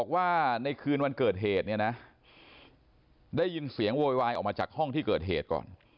ว่าในคืนวันเกิดเหตุเนี่ยนะได้ยินเสียงโวยวายออกมาจากห้องที่เกิดเหตุก่อน